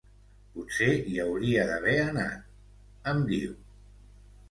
Potser hi hauria d’haver anat —em diu.